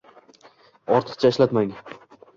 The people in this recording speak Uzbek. Ortiqcha ishlatmang